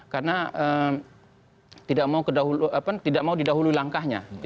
karena tidak mau didahului langkahnya